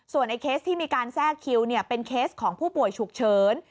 ไอ้เคสที่มีการแทรกคิวเป็นเคสของผู้ป่วยฉุกเฉิน